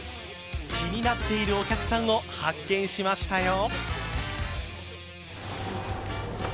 気になっているお客さんを発見しましたよ。